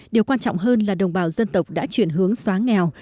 điều quan trọng hơn là đồng bào dân tộc đã chuyển hướng xóa nghèo